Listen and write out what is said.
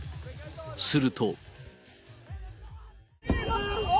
すると。